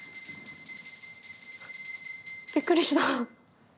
びっくりした！